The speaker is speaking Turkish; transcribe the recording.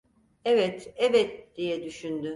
"Evet, evet!" diye düşündü…